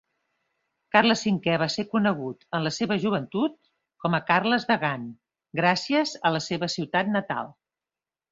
Carles V va ser conegut en la seva joventut com a "Carles de Gant", gràcies a la seva ciutat natal.